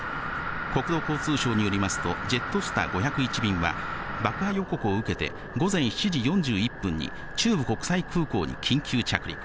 国土交通省によりますと、ジェットスター５０１便は爆破予告を受けて、午前７時４１分に、中部国際空港に緊急着陸。